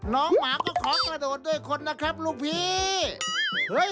หมาก็ขอกระโดดด้วยคนนะครับลูกพี่เฮ้ย